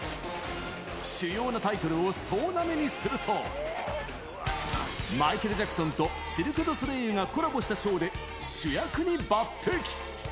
主要なタイトルを総なめにすると、マイケル・ジャクソンとシルクドソレイユがコラボしたショーで主役に抜てき。